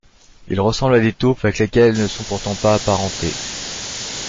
Ils ressemblent à des taupes, avec lesquelles elles ne sont pourtant pas apparentés.